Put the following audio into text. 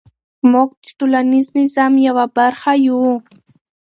موږ د ټولنیز نظام یوه برخه یو.